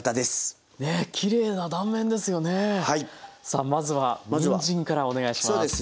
さあまずはにんじんからお願いします。